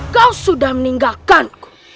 kau sudah meninggalkanku